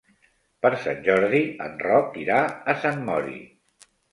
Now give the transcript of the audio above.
Per Sant Jordi en Roc irà a Sant Mori.